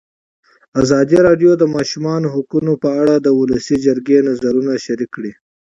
ازادي راډیو د د ماشومانو حقونه په اړه د ولسي جرګې نظرونه شریک کړي.